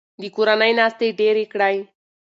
د کورنۍ ناستې ډیرې کړئ.